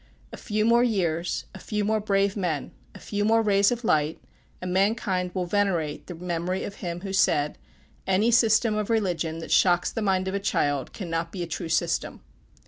A few more years a few more brave men a few more rays of light, and mankind will venerate the memory of him who said: "Any system of Religion that shocks the mind of a child cannot be a true system."